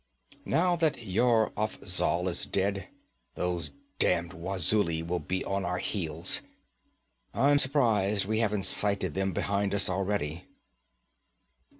Now that Yar Afzal is dead, those damned Wazulis will be on our heels. I'm surprized we haven't sighted them behind us already.'